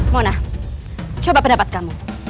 mona coba pendapat kamu